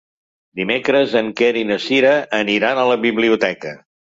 Dimecres en Quer i na Cira aniran a la biblioteca.